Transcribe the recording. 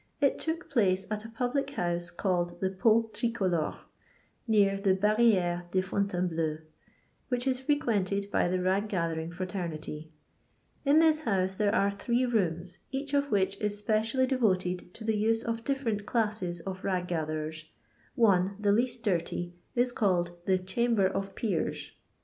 It took pUce at a public house called the Pot Tricolore, near the BarrOrt de FoniainhleaUf which is frequented by the rag gathering fraternity. }n this house there are three rooms, each of which is specially devoted to the use of different classes of rag gatheren ; eoe, the least dirty, is called the ' Chamber of Feer^' 142 LONDON LABOUR AND THE LONDON POOR.